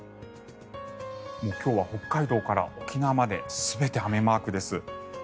今日は北海道から沖縄まで全て雨マークです。